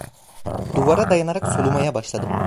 Duvara dayanarak solumaya başladım.